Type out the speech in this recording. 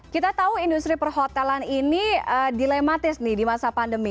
kita tahu industri perhotelan ini dilematis nih di masa pandemi